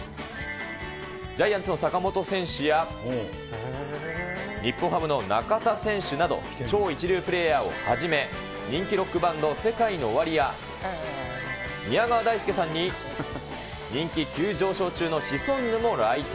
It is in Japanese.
ジャイアンツの坂本選手や、日本ハムの中田選手など、超一流プレーヤーをはじめ、人気ロックバンド、ＳＥＫＡＩＮＯＯＷＡＲＩや、宮川大輔さんに、人気急上昇中のシソンヌも来店。